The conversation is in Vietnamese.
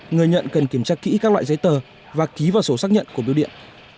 người nhận cần kiểm tra kỹ các loại giấy tờ và ký vào số xác nhận của biểu điện